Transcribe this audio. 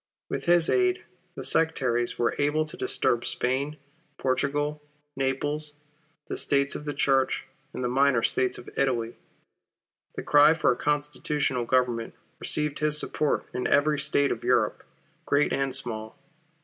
With his aid, the sectaries were able to disturb Spain, Portugal, Naples, the States of the Church, and the minor States of Italy. The cry for a constitutional Government received his support in every State of Europe, great and small.